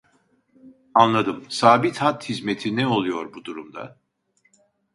Anladım, sabit hat hizmeti ne oluyor bu durumda ?